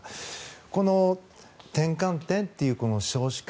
この転換点という少子化